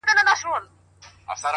ماهېره که _